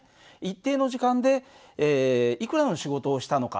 一定の時間でいくらの仕事をしたのか。